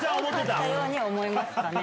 多かったように思いますかね。